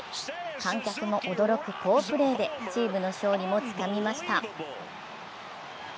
観客も驚く好プレーでチームの勝利もつかみました。